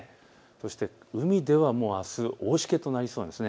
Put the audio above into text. そして海ではあす、大しけとなりそうなんです。